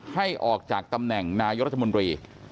ให้ออกจากตำแหน่งนายรัฐมนตรี